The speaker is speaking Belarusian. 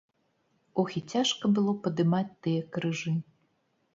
Ох, і цяжка было падымаць тыя крыжы!